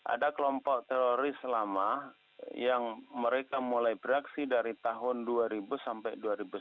ada kelompok teroris lama yang mereka mulai beraksi dari tahun dua ribu sampai dua ribu sembilan belas